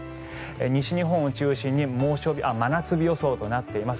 西日本を中心に真夏日予想となっています。